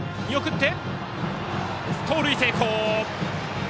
盗塁成功！